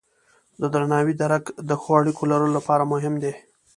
د درناوي درک د ښو اړیکو لرلو لپاره مهم دی.